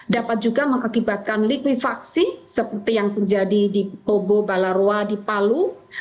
dapat juga mengakibatkan likuifaksi seperti yang terjadi di kobo balaroa di palu